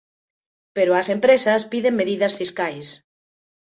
Pero as empresas piden medidas fiscais.